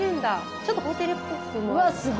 ちょっとホテルっぽくもある。